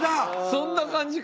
そんな感じか。